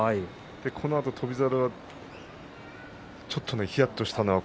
このあと翔猿はちょっと、ひやっとしたのは